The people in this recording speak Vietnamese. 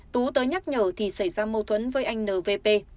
tú tới nhắc nhở thì xảy ra mâu thuẫn với anh nvp